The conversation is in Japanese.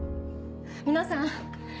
皆さん